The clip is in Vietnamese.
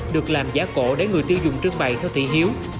được làm giá cổ để người tiêu dùng trưng bày theo thị hiếu